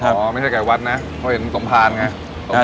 เดี๋ยวขอแนะนำว่าไม่ใช่ไก่วัดนะเพราะเห็นมันสมภารไง